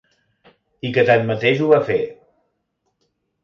I que tanmateix ho va fer.